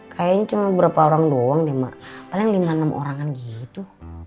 kayaknya cuma berapa orang doang deh paling lima enam orangan gitu